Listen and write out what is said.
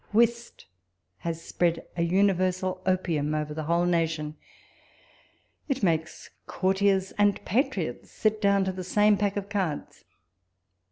Whist has spread an universal opium over the whole nation ; it makes courtiers and patriots sit down to the same pack of cards.